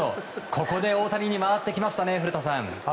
ここで大谷に回ってきましたね古田さん。